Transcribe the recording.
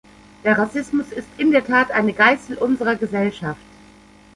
Der Rassismus ist in der Tat eine Geißel unserer Gesellschaft.